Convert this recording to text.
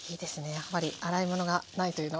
やっぱり洗い物がないというのは。